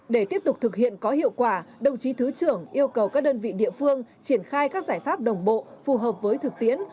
để tiếp tục thực hiện có hiệu quả đồng chí thứ trưởng yêu cầu các đơn vị địa phương triển khai các giải pháp đồng bộ phù hợp với thực tiễn